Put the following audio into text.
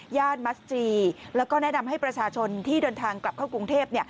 มัสจีแล้วก็แนะนำให้ประชาชนที่เดินทางกลับเข้ากรุงเทพ